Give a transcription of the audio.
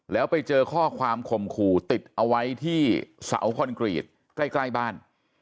แล้วไปเจอข้อความข่มขู่ติดเอาไว้ที่เสาคอนกรีตใกล้บ้าน